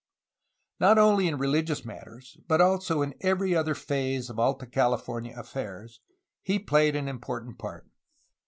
Not only in religious matters, but also in every other phase of Alta California affairs, he played an important part.